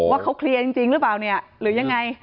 ว่าเขาเคลียร์จริงหรือเปล่าเนี่ยหรือยังไง